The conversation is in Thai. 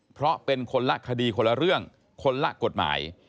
เพราะเป็นคนละคดีคนละเรื่องคนละกฎหมาย